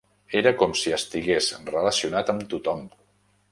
Era com si estigués relacionat amb tothom.